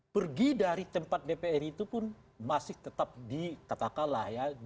pergi dari tempat dpr itu pun masih tetap dikatakanlah